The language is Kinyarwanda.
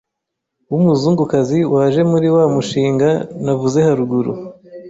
w’umuzungukazi waje muri wa mushinga navuze haruguru